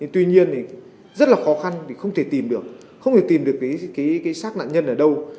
tuy nhiên rất là khó khăn không thể tìm được sát nạn nhân ở đâu